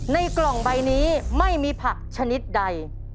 ในกล่องใบนี้ไม่มีผักชนิดใด